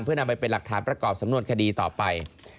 เพื่อนำไปเป็นหลักฐานประกอบสำนวนคดีต่อไป